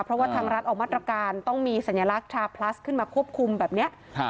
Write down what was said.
เพราะว่าทางรัฐออกมาตรการต้องมีสัญลักษณ์ชาพลัสขึ้นมาควบคุมแบบเนี้ยครับ